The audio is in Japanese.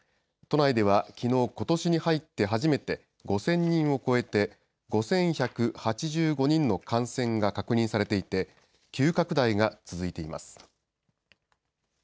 都内ではきのう、ことしに入って初めて５０００人を超えて５１８５人の感染が確認されていて急拡大が続いています。